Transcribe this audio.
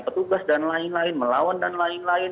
petugas dan lain lain melawan dan lain lain